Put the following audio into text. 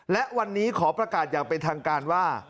และวันนี้ขอประกาศอย่างเป็นทางการว่า